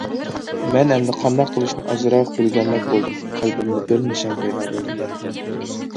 مەن ئەمدى قانداق قىلىشنى ئازراق بىلگەندەك بولدۇم، قەلبىمدە بىر نىشان پەيدا بولدى.